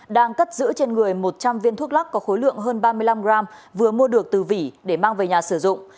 đang cất giữ trên người một trăm linh viên thuốc lắc có khối lượng hơn ba mươi năm g vừa mua được từ vỉ để mang về nhà sử dụng